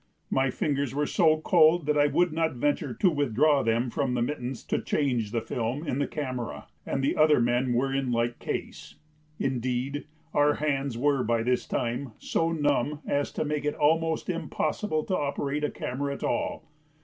My fingers were so cold that I would not venture to withdraw them from the mittens to change the film in the camera, and the other men were in like case; indeed, our hands were by this time so numb as to make it almost impossible to operate a camera at all.